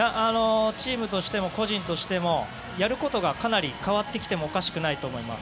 チームとしても個人としてもやることがかなり変わってきてもおかしくないと思います。